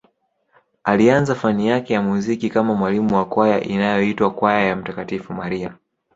Alianza fani yake ya muziki kama mwalimu wa kwaya inayoitwa kwaya ya mtakatifu Maria